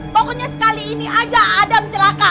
pokoknya sekali ini aja adam celaka